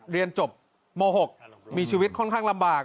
เรียนจบม๖มีชีวิตค่อนข้างลำบาก